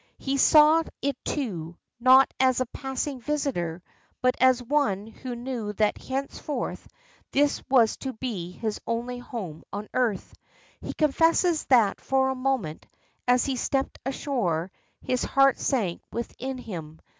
He saw it too, not as a passing visitor, but as one who knew that henceforth this was to be his only home on earth. He confesses that for a moment, as he stepped ashore, his heart sank within him.